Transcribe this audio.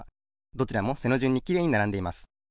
どちらも背のじゅんにきれいにならんでいます。